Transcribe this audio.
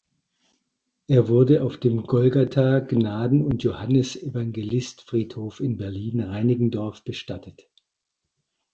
Er wurde auf dem Golgatha-Gnaden- und Johannes-Evangelist-Friedhof in Berlin-Reinickendorf bestattet.